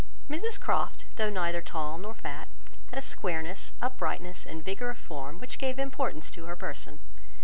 Mrs Croft, though neither tall nor fat, had a squareness, uprightness, and vigour of form, which gave importance to her person.